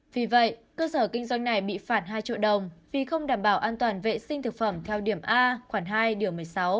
vì vậy cơ sở kinh doanh này bị phạt hai triệu đồng vì không đảm bảo an toàn vệ sinh thực phẩm theo điểm a khoảng hai điều một mươi sáu